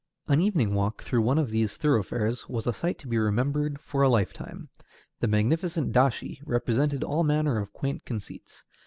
An evening walk through one of these thoroughfares was a sight to be remembered for a lifetime. The magnificent dashi represented all manner of quaint conceits.